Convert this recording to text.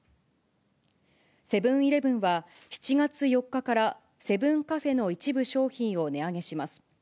セブンーイレブンは、７月４日からセブンカフェの一部商品を値上げします。